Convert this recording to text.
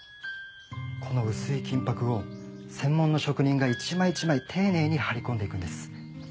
この薄い金箔を専門の職人が一枚一枚ていねいに貼り込んでいくんです。